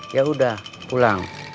ya udah pulang